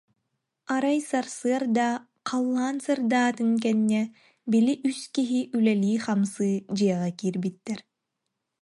Арай сарсыарда, халлаан сырдаатын кэннэ, били үс киһи үлэлии-хамсыы дьиэҕэ киирбиттэр